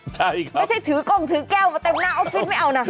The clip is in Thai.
ใช่ค่ะไม่ใช่ถือกล้องถือแก้วมาเต็มหน้าออฟฟิศไม่เอานะ